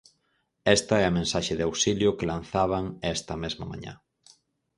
Esta é a mensaxe de auxilio que lanzaban esta mesma mañá...